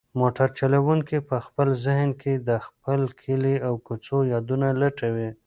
موټر چلونکی په خپل ذهن کې د خپل کلي د کوڅو یادونه لټوي.